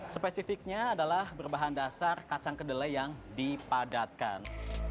spesifiknya adalah berbahan dasar kacang kedelai yang dipadatkan